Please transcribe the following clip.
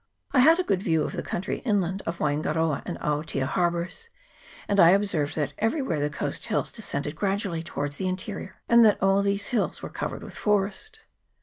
I had a good view of the country inland of Waingaroa and Aotea Harbours ; and I observed that everywhere the coast hills descended gradually towards the interior, and that all these hills were covered with forest.